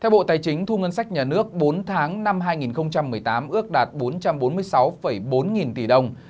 theo bộ tài chính thu ngân sách nhà nước bốn tháng năm hai nghìn một mươi tám ước đạt bốn trăm bốn mươi sáu bốn nghìn tỷ đồng